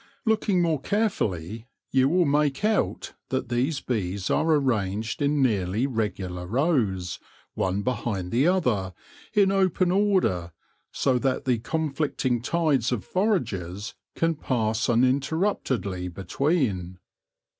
Looking more carefully, you will make out that these bees are arranged in nearly regular rows, one behind the other, in open order, so that the conflicting tides of foragers can pass uninterruptedly between.